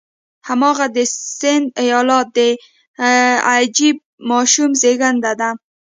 هماغه د سند ایالت د عجیب ماشوم زېږېدنه ده.